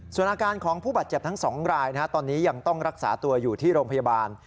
ส่วนอาการของผู้บาดเจ็บทั้ง๒รายตอนนี้ยังต้องรักษาตัวอยู่ที่โรงพยาบาล